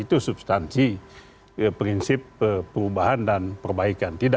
itu substansi prinsip perubahan dan perbaikan